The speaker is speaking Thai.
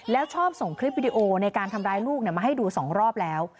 แล้วชอบส่งคลิปวิดีโอในการทำร้ายลูกมาให้ดู๒รอบแล้ว